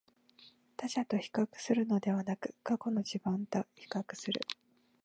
他者と比較するのではなく、過去の自分と比較する